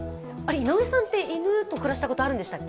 井上さんって、犬と暮らしたことあるんですっけ？